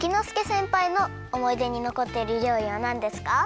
せんぱいのおもいでにのこっているりょうりはなんですか？